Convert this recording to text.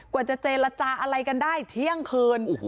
กว่าจะเจรจาอะไรกันได้เที่ยงคืน